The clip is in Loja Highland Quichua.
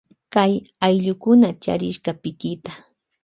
Kay allukuna charishka pikita.